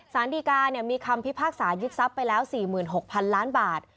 สารดีกามีคำพิพากษายึดทรัพย์ไปแล้ว๔๖๐๐๐ล้านบาท